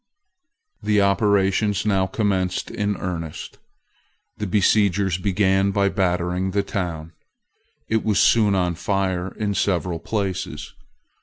The operations now commenced in earnest. The besiegers began by battering the town. It was soon on fire in several places.